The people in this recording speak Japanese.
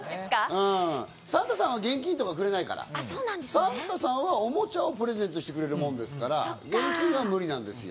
サンタさんは現金とかくれないから、サンタさんはおもちゃをプレゼントしてくれるものですから、現金は無理なんですよ。